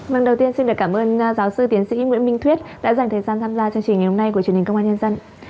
vâng đầu tiên xin được cảm ơn giáo sư tiến sĩ nguyễn minh thuyết đã dành thời gian tham gia chương trình ngày hôm nay của truyền hình công an nhân dân